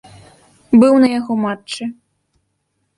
Быў на яго матчы.